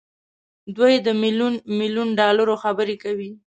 دوی د ميليون ميليون ډالرو خبرې کوي.